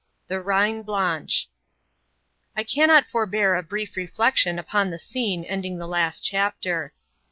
The Reine Blanche. I CANNOT forbear a brief reflection upon the scene ending the last chapter.